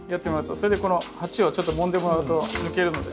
それでこの鉢をちょっともんでもらうと抜けるので。